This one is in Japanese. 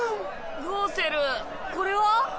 ゴウセルこれは？